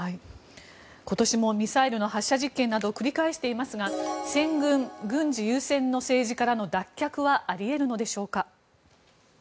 今年もミサイルの発射実験などを繰り返していますが軍事優先の政治からの脱却はあり得るのでしょうか？